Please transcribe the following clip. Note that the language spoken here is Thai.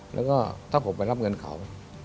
แล้วก็ถ้าผมไปรับเงินเขา